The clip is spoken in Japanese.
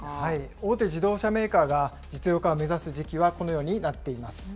大手自動車メーカーが実用化を目指す時期はこのようになっています。